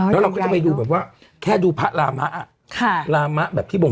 แล้วเราจะไปดูแบบว่าแค่ดูพระลามะ